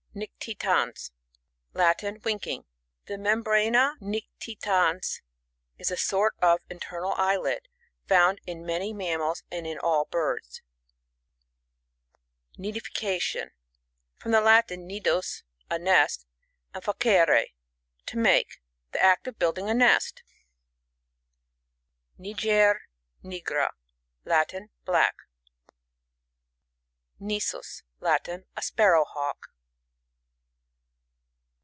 NicTiTANS. — Latin. Winking. The merobrana nictitani^, is a sort ot internal eyelid, found in many mammals, and in all birds. NiDiFicATioN— From the Latin nidua^ a nest, and facere^ to make. The act of building a nest Nisus. — Latin. A Sparrowhawk.